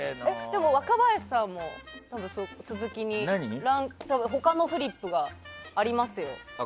でも、若林さんも続きに他のフリップがありますよ。